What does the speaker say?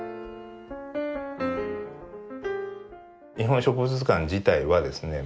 「日本植物図鑑」自体はですね